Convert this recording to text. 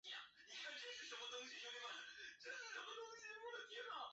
他曾经担任加的夫市议会的议员。